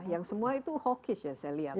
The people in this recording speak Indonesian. yang semua itu hawkish ya saya lihat